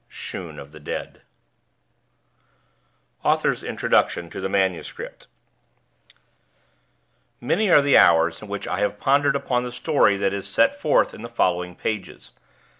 Shoon of the Dead AUTHOR'S INTRODUCTION TO THE MANUSCRIPT Many are the hours in which I have pondered upon the story that is set forth in the following pages.